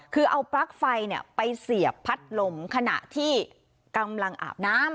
คือเอาปลั๊กไฟไปเสียบพัดลมขณะที่กำลังอาบน้ำ